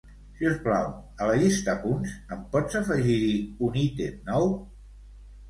Si us plau, a la llista "punts" em pots afegir-hi un ítem nou?